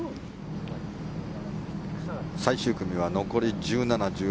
最終組は残り１７、１８。